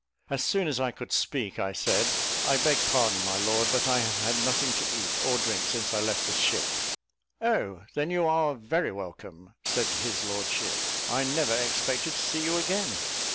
As soon as I could speak, I said, "I beg pardon, my lord, but I have had nothing to eat or drink since I left the ship." "Oh, then you are very welcome," said his lordship; "I never expected to see you again."